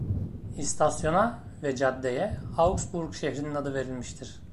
İstasyona ve caddeye Augsburg şehrinin adı verilmiştir.